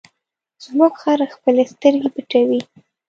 زموږ خر خپلې سترګې پټوي.